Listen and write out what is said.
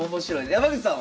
山口さんは？